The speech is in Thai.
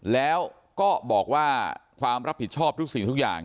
แล้วก็บอกว่าความรับผิดชอบทุกสิ่งทุกอย่าง